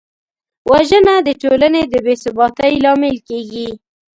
وژنه د ټولنې د بېثباتۍ لامل کېږي